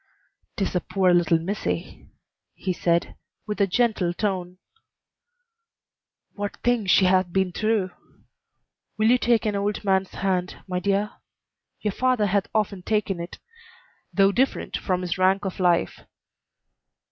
"'Tis a poor little missy," he said, with a gentle tone. "What things she hath been through! Will you take an old man's hand, my dear? Your father hath often taken it, though different from his rank of life.